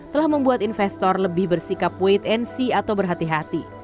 telah membuat investor lebih bersikap wait and see atau berhati hati